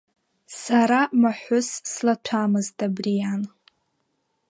Сара маҳәыс слаҭәамызт абри иан.